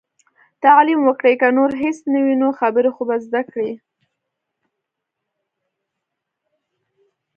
تعليم وکړئ! که نور هيڅ نه وي نو، خبرې خو به زده کړي.